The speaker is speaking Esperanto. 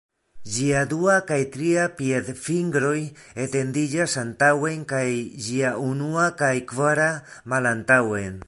Ĝiaj dua kaj tria piedfingroj etendiĝas antaŭen kaj ĝiaj unua kaj kvara malantaŭen.